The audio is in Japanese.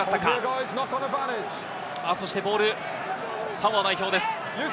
ボール、サモア代表です。